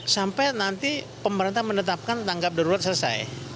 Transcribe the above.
sampai nanti pemerintah menetapkan tanggap darurat selesai